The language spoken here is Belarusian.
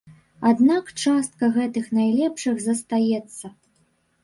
Аднак частка гэтых найлепшых застаецца.